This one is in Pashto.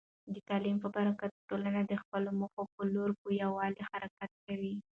د تعلیم په برکت، ټولنه د خپلو موخو په لور په یووالي حرکت کوي.